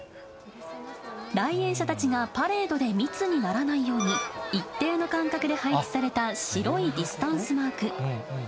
来園者たちがパレードで密にならないように、一定の間隔で配置された白いディスタンスマーク。